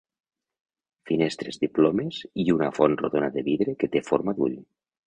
Finestres, diplomes i una font rodona de vidre que té forma d'ull.